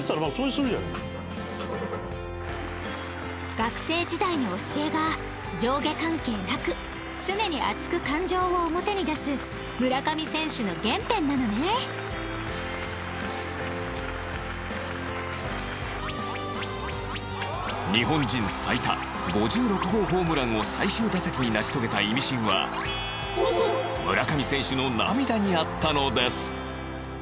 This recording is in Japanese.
学生時代の教えが上下関係なく常に熱く感情を表に出す村上選手の原点なのね日本人最多５６号ホームランを最終打席に成し遂げたイミシンは村上選手の涙にあったのです